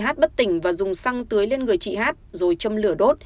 hát bất tỉnh và dùng xăng tưới lên người chị hát rồi châm lửa đốt